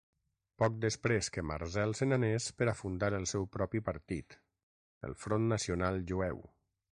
Poc després que Marzel s'anés per a fundar el seu propi partit, el Front Nacional Jueu.